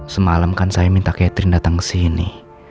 semalam kan saya minta catherine datang kesini